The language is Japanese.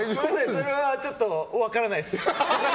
それはちょっと分からないです。